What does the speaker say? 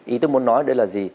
ý tôi muốn nói đây là gì